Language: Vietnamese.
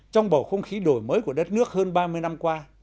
trong bầu không khí đổi mới của đất nước hơn ba mươi năm qua